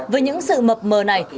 với những sự mập mờ này